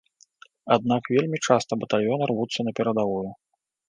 Аднак вельмі часта батальёны рвуцца на перадавую.